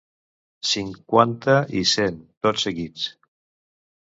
Cinquanta i cent, tots seguits.